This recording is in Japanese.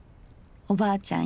おばあちゃん